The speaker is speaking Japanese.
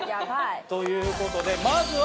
ということでまずは。